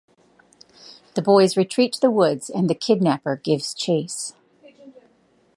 The boys retreat to the woods and the kidnapper gives chase.